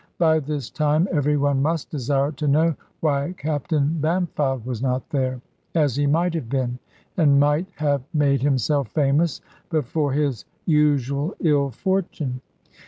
By this time every one must desire to know why Captain Bampfylde was not there, as he might have been, and might have made himself famous, but for his usual ill fortune.